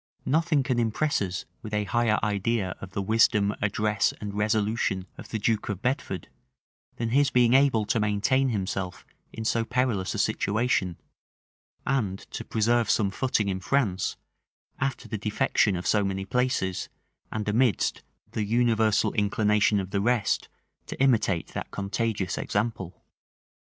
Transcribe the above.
Nothing can impress us with a higher idea of the wisdom, address, and resolution of the duke of Bedford, than his being able to maintain himself in so perilous a situation, and to preserve some footing in France, after the defection of so many places, and amidst the universal inclination of the rest to imitate that contagious example.